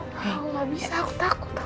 aku gak bisa aku takut